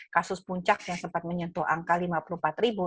kasus puncak yang sempat menyentuh angka lima puluh empat ribu